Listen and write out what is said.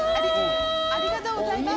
ありがとうございます。